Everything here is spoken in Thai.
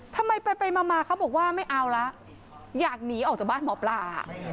ทำไมไปมาเขาบอกว่าไม่เอาละอยากหนีออกจากบ้านหมอปลา